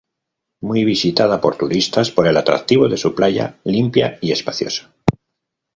Muy visitada por turistas por el atractivo de su playa limpia y espaciosa.